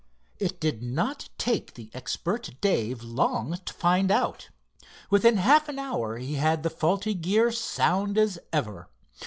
It did not take the expert Dave long to find out. Within half an hour he had the faulty gear sound as ever.